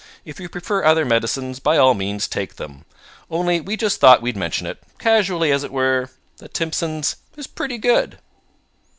If you prefer other medicines, by all means take them. Only we just thought we'd mention it casually, as it were that TIMSON'S is PRETTY GOOD.